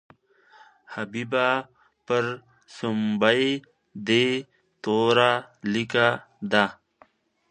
حبیبه پر سومبۍ دې توره لیکه ده.